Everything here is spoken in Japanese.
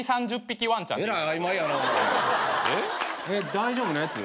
大丈夫なやつ？